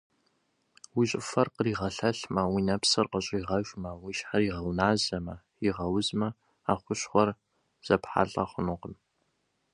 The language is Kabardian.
Уи щӀыфэр къригъэлъэлъмэ, уи нэпсыр къыщӀигъэжмэ, уи щхьэр игъэуназэмэ, игъэузмэ, а хущхъуэр зэпхьэлӀэ хъунукъым.